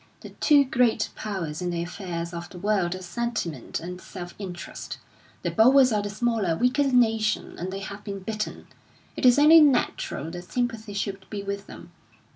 The two great powers in the affairs of the world are sentiment and self interest. The Boers are the smaller, weaker nation, and they have been beaten; it is only natural that sympathy should be with them.